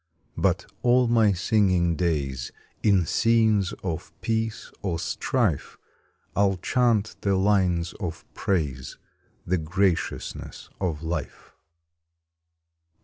But all my singing days In scenes of peace or strife I ll chant in lines of praise The graciousness of life.